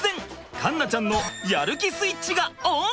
突然環奈ちゃんのやる気スイッチがオン！